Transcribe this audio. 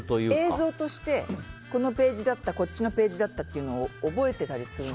映像として、このページだったこっちのページだったというのを覚えてたりするので。